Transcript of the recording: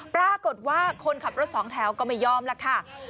ปรากฏว่าคนขับรถสองแถวก็ไม่ยอมล่ะค่ะ